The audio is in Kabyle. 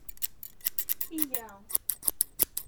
Yya!